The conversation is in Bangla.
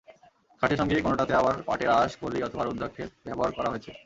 কাঠের সঙ্গে কোনোটাতে আবার পাটের আঁশ, কড়ি অথবা রুদ্রাক্ষর ব্যবহার করা হয়েছে।